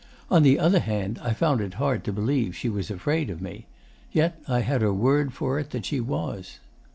On the other hand, I found it hard to believe she was afraid of me. Yet I had her word for it that she was.